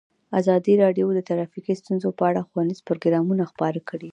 ازادي راډیو د ټرافیکي ستونزې په اړه ښوونیز پروګرامونه خپاره کړي.